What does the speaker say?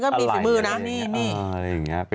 ก็นั่นก็มีฝีมือนะนี่